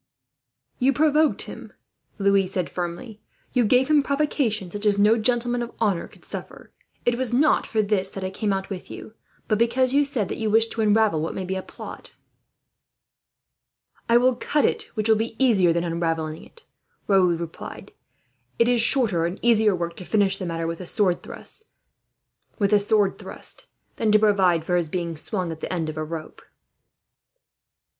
"You provoked him," Louis said firmly. "You gave him provocation such as no gentleman of honour could suffer. It was not for this that I came out with you, but because you said that you wished to unravel what may be a plot." "I will cut it, which will be easier than unravelling it," Raoul replied. "It is shorter and easier work, to finish the matter with a sword thrust, than to provide for his being swung at the end of a rope."